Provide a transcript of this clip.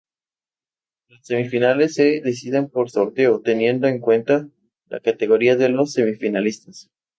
Las semifinales se deciden por sorteo, teniendo en cuenta la categoría de los semifinalistas.